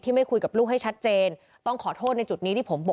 ที่ไม่คุยกับลูกให้ชัดเจน